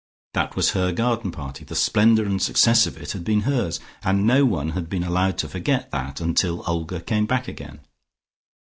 That was her garden party; the splendour and success of it had been hers, and no one had been allowed to forget that until Olga came back again.